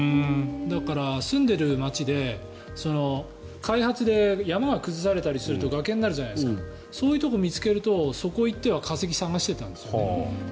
だから、住んでいる街で開発で山が崩されたりすると崖になるじゃないですかそういうところを見つけるとそこへ行っては化石を探してたんですよね。